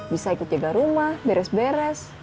bisa ikut jaga rumah beres beres